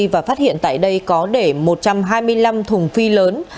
và phát hiện tại đây có để một trăm hai mươi năm thùng phi lớn